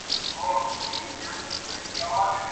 آس چي خداى خواروي، نو ئې يابو کي.